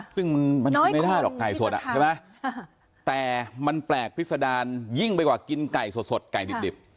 ซึ่งมันกินไม่ได้หรอกไก่สดใช่ไหมแต่มันแปลกพิษดารยิ่งไปกว่ากินไก่สดไก่ดิบ